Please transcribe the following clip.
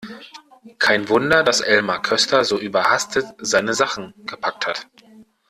Kein Wunder, dass Elmar Köster so überhastet seine Sachen gepackt hat!